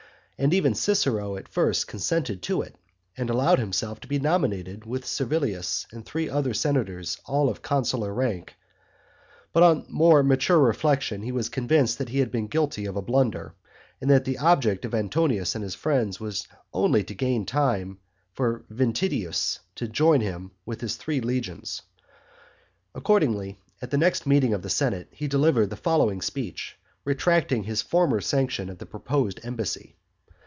And even Cicero at first consented to it, and allowed himself to be nominated with Servilius and three other senators, all of consular rank, but on more mature reflection he was convinced that he had been guilty of a blunder, and that the object of Antonius and his friends was only to gain time for Ventidius to join him with his three legions. Accordingly, at the next meeting of the senate, he delivered the following speech, retracting his former sanction of the proposed embassy.